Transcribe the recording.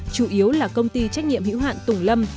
chủ yếu là công ty trách nhiệm hữu hạn tùng lâm